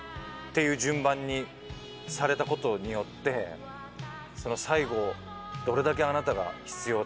こういう順番にされたことによって最後どれだけあなたが必要だったか？